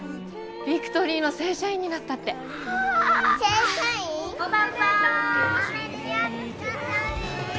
ビクトリーの正社員になったってあせいしゃいん？